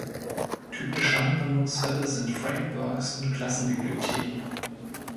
Typische Anwendungsfälle sind Frameworks und Klassenbibliotheken.